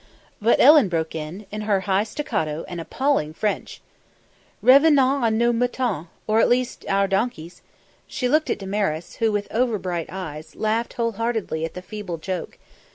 But Ellen broke in, in her high staccato and appalling French: "Revenons à nos moutons or at least, our donkeys." She looked at Damaris, who, with over bright eyes, laughed whole heartedly at the feeble joke.